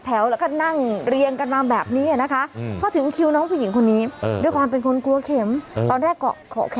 อ้าวหนูเจือกมาก